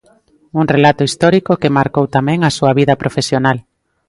Un relato histórico que marcou tamén a súa vida profesional.